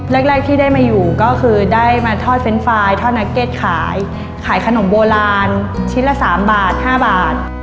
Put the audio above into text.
แรกที่ได้มาอยู่ก็คือได้มาทอดเฟรนดไฟล์ทอดนักเก็ตขายขายขนมโบราณชิ้นละ๓บาท๕บาท